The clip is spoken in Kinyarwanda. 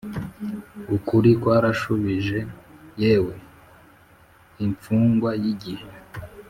ukuri kwarashubije: yewe imfungwa yigihe,